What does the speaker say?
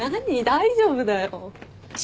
大丈夫だよ。